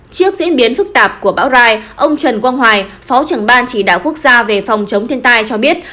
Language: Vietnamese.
trước diễn biến phức tạp của bão rai ông trần quang hoài phó trưởng ban chỉ đạo quốc gia về phòng chống thiên tai cho biết